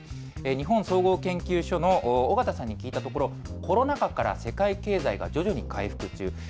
日本総合研究所の小方さんに聞いたところ、コロナ禍から世界経済が徐々に回復中。